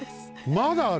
まだある？